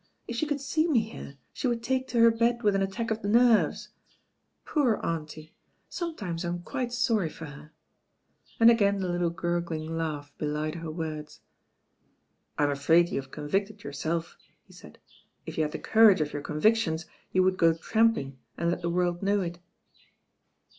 "If she coul3 see me here, she would take to her bed with an at tack of nervec. Poor auntie I Sometimes I am quite sorry for her," and again the little gurgling laugh belied her words. "I'm afraid you have competed yourself," he said. "If you had the courage of your convictions, you would go tramping and let the world know it."